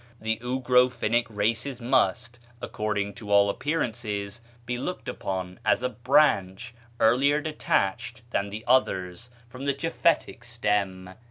the Ugro Finnish races must, according to all appearances, be looked upon as a branch, earlier detached than the others from the Japhetic stem."